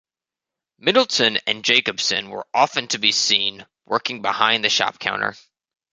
Middleton and Jacobson were often to be seen working behind the shop counter.